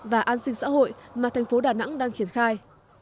và an sinh xã hội mà thành phố đà nẵng đang triển khai